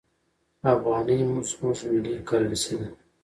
افغانۍ زموږ ملي کرنسي ده.